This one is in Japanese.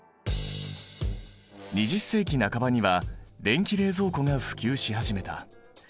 ２０世紀半ばには電気冷蔵庫が普及し始めた。